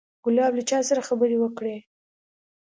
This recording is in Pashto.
ګلاب له چا سره خبرې وکړې.